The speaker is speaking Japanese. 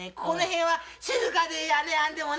この辺は静かで。